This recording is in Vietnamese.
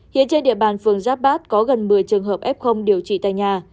hiện trên địa bàn phường giáp bát có gần một mươi trường hợp f điều trị tại nhà